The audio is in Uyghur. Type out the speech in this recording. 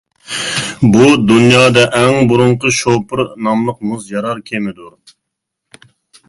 بۇ، دۇنيادا ئەڭ بۇرۇنقى «شوپۇر» ناملىق مۇز يارار كېمىدۇر.